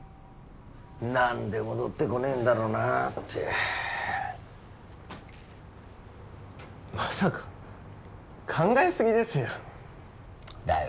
何で戻ってこねえんだろうなってまさか考えすぎですよだよ